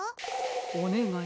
「おねがい！